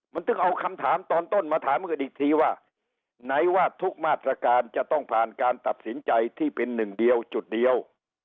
มันถึงเอาคำถามตอนต้นมาถามกันอีกทีว่าไหนว่าทุกมาตรการจะต้องผ่านการตัดสินใจที่เป็นหนึ่งเดียวจุดเดียว